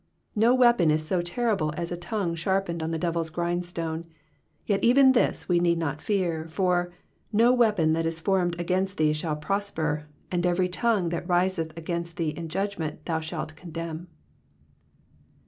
No weapon is so terrible as a tongue sharpened on the devil's grindstone ; yet even this we need not fear, for *' No weajK)n that is formed against thee shall prosper, and every tongue that riseth agamst thee in judgment thou shalt condemn.